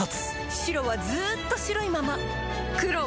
黒はずっと黒いまま